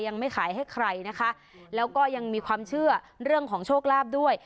ยังไม่ขายให้ใครนะคะแล้วก็ยังมีความเชื่อเรื่องของโชคลาภด้วย